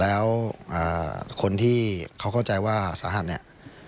แล้วคนที่เขาเข้าใจว่าสาหัสเนี่ย